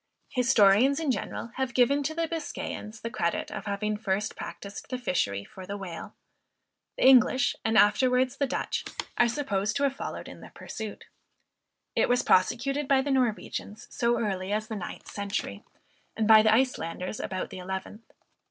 Historians, in general, have given to the Biscayans the credit of having first practiced the fishery for the Whale; the English, and afterwards the Dutch are supposed to have followed in the pursuit. It was prosecuted by the Norwegians so early as the ninth century, and by the Icelanders about the eleventh.